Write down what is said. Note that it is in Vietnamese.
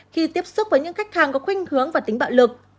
khi tiếp xúc với những khách hàng có khuyên hướng và tính bạo lực